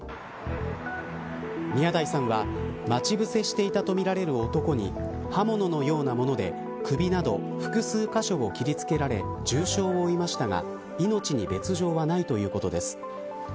宮台さんは待ち伏せしていたとみられる男に刃物のようなもので、首など複数箇所を切りつけられ重傷を負いましたが命に別条はないということです。